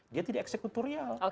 dia tidak eksekuturial